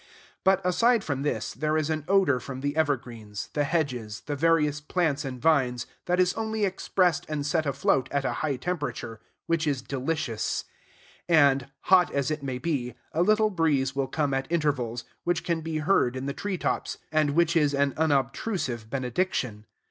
But, aside from this, there is an odor from the evergreens, the hedges, the various plants and vines, that is only expressed and set afloat at a high temperature, which is delicious; and, hot as it may be, a little breeze will come at intervals, which can be heard in the treetops, and which is an unobtrusive benediction.